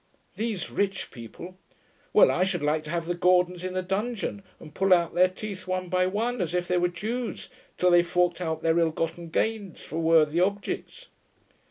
These rich people well, I should like to have the Gordons in a dungeon and pull out their teeth one by one, as if they were Jews, till they forked out their ill gotten gains for worthy objects....